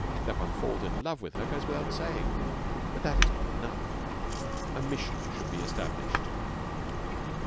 That one falls in love with her goes without saying, but that is not enough. A mission should be established.